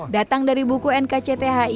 datang dari buku sma